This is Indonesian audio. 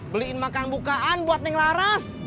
beliin makanan bukaan buat neng laras